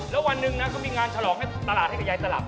แล้ววันหนึ่งนะเขามีงานฉลองให้ตลาดให้กับยายตลับ